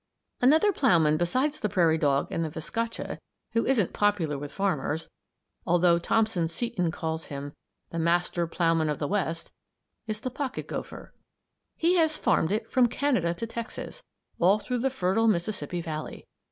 ] Another ploughman besides the prairie dog and the viscacha, who isn't popular with farmers although Thompson Seton calls him "The Master Ploughman of the West" is the pocket gopher. He has farmed it from Canada to Texas, all through the fertile Mississippi Valley.